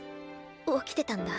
起きてたんだ。